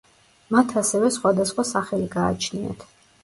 მათ ასევე სხვადასხვა სახელი გააჩნიათ.